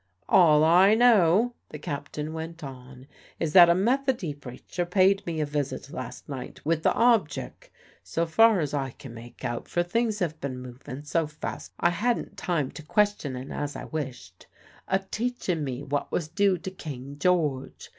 "All I know," the captain went on, "is that a Methody preacher paid me a visit last night, with the objic (so far as I can make out, for things have been movin' so fast I hadn't time to question en as I wished) o' teachin' me what was due to King George.